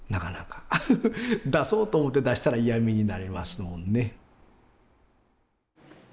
出そうと思って出したら嫌みになりますもんね。